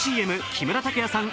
ＣＭ木村拓哉さん